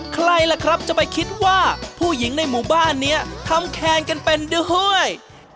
ใครล่ะครับจะไปคิดว่าผู้หญิงในหมู่บ้านนี้ทำแคนกันเป็นด้วย